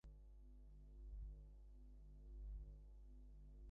তাই তিনি নিজের আহারের খরচ বাঁচিয়ে গোপনে শিল্পের সরঞ্জাম কিনিয়ে আনতেন।